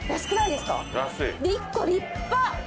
で１個立派。